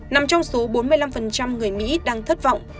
nằm trong số bốn mươi năm người mỹ đang thất vọng